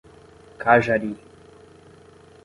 Cajari